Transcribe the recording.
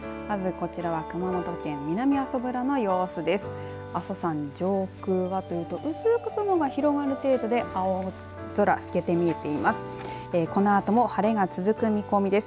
こちらは熊本県南阿蘇村の様子です。